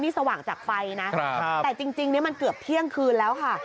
นี่สว่างจากไฟนะแต่จริงเนี่ยมันเกือบเที่ยงคืนแล้วค่ะ